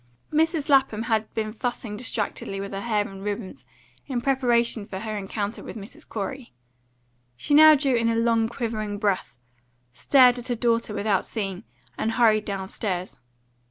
Mrs. Lapham had been fussing distractedly with her hair and ribbons, in preparation for her encounter with Mrs. Corey. She now drew in a long quivering breath, stared at her daughter without seeing her, and hurried downstairs.